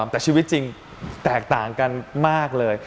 แต่ชีวิตจริงแตกต่างกันมากเลย